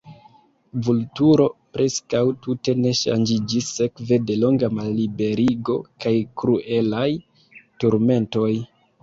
Vulturo preskaŭ tute ne ŝanĝiĝis sekve de longa malliberigo kaj kruelaj turmentoj.